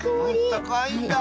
あったかいんだ。